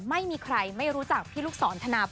ไม่มีใครไม่รู้จักพี่ลูกศรธนาพร